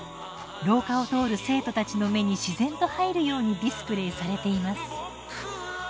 廊下を通る生徒たちの目に自然と入るようにディスプレーされています。